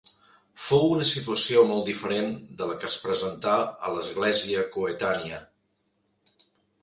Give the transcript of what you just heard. Fou una situació molt diferent de la que es presentà a l'església coetània.